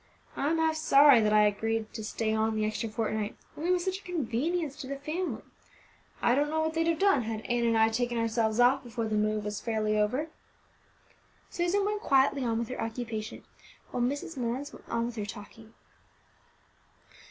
I'm half sorry that I agreed to stay on the extra fortnight; only it was such a convenience to the family. I don't know what they'd have done had Ann and I taken ourselves off before the move was fairly over." Susan went quietly on with her occupation, while Mrs. Mullins went on with her talking.